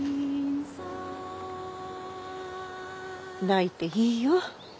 泣いていいよ。